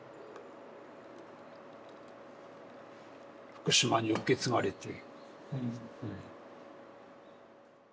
福島に受け継がれて。